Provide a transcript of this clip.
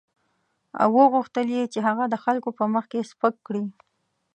او وغوښتل یې چې هغه د خلکو په مخ کې سپک کړي.